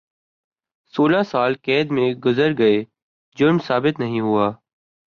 سولہ سال قید میں گزر گئے جرم ثابت نہیں ہوا